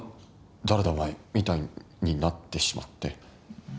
「誰だ？お前」みたいになってしまって。